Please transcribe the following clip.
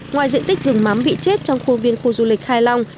ngoài diện tích rừng mắm bị chết trong khuôn viên khu du lịch khai long